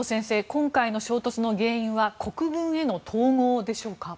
今回の衝突の原因は国軍への統合でしょうか。